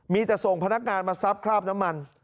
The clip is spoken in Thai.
มีแต่ส่งพนักงานมาซับคราบน้ำมัน